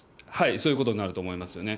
そういうことになると思いますよね。